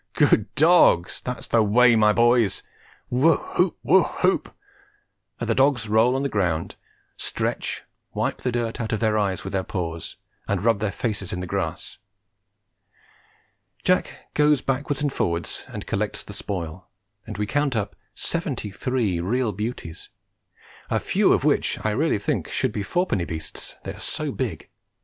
Good dogs! That's the way, my boys! Woo hoop! woo hoop! And the dogs roll on the ground, stretch, wipe the dirt out of their eyes with their paws, and rub their faces in the grass. Jack goes backwards and forwards and collects the spoil, and we count up seventy three real beauties, a few of which I really think should be fourpenny beasts, they are so big.